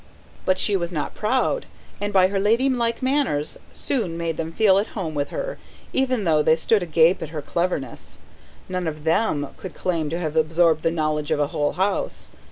But she was not proud, and by her ladylike manners soon made them feel at home with her, even though they stood agape at her cleverness: none of THEM could claim to have absorbed the knowledge of a whole house.